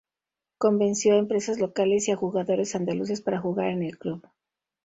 Convenció a empresas locales y a jugadores andaluces para jugar en el club.